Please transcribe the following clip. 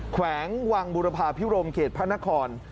แขวงวังบุรพาพิรมเขตพระนคร